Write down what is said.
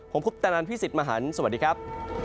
ผมพุทธนันพี่สิทธิ์มหันฯสวัสดีครับ